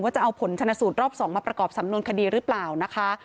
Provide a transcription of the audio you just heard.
จะเอาผลชนะสูตรรอบ๒มาประกอบสำนวนคดีหรือเปล่านะคะ